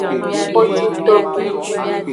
Xocuto.